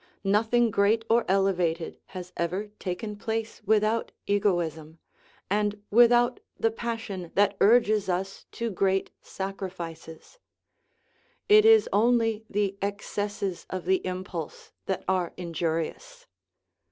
Nothing great or elevated has ever taken place without egoism, and without the passion that urges us to great sacri fices. It is only the excesses of the impulse that are injurious.